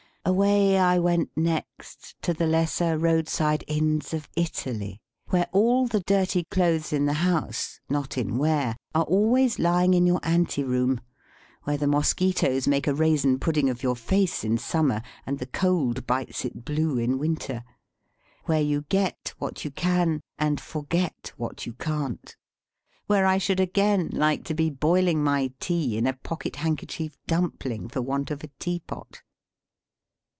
Away I went, next, to the lesser roadside Inns of Italy; where all the dirty clothes in the house (not in wear) are always lying in your anteroom; where the mosquitoes make a raisin pudding of your face in summer, and the cold bites it blue in winter; where you get what you can, and forget what you can't: where I should again like to be boiling my tea in a pocket handkerchief dumpling, for want of a teapot.